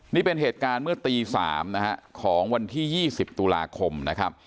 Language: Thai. นี่เป็นเหตุการณ์เมื่อตี๓นะฮะของวันที่๒๐ตุลาคมนะครับ